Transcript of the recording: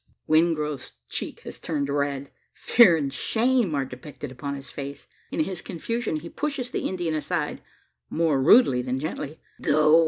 Wingrove's cheek has turned red. Fear and shame are depicted upon his face. In his confusion he pushes the Indian aside more rudely than gently. "Go!"